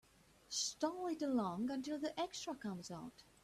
Stall it along until the extra comes out.